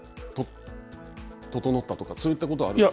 整ったとか、そういったことはありますか。